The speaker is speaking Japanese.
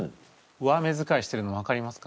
上目遣いしてるの分かりますか？